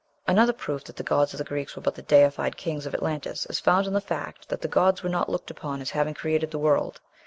Another proof that the gods of the Greeks were but the deified kings of Atlantis is found in the fact that "the gods were not looked upon as having created the world."